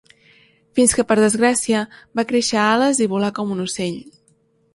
Fins que, per desgràcia, va créixer ales i volà com un ocell.